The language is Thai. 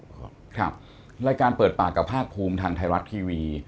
ครับรายการเปิดปากกับภาคภูมิทางไทยรัฐทีวี